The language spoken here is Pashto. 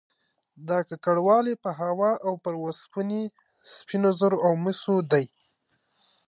دا ککړوالی په هوا او پر اوسپنې، سپینو زرو او مسو دی